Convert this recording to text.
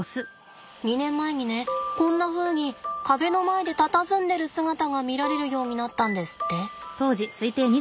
２年前にねこんなふうに壁の前でたたずんでる姿が見られるようになったんですって。